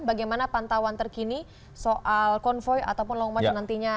bagaimana pantauan terkini soal konvoy ataupun long march nantinya